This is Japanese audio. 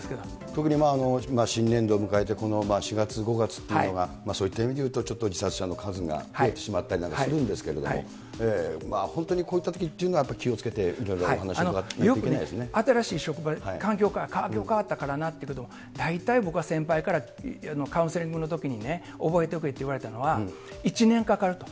特に新年度を迎えてこの４月、５月っていうのが、そういった意味で言うとちょっと自殺者の数が増えてしまったりなんかするんですけど、本当にこういったときっていうのは、気をつけていろいろ話聞かな新しい職場に環境が変わったからなっていうけど、大体僕は先輩からカウンセリングのときに覚えておけって言われたのは、１年かかると。